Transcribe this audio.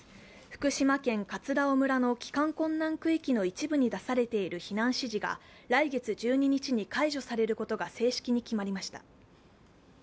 福島県葛尾村の帰還困難区域の一部に出されている避難指示が来月１２日に解除されることが正式に決まりました。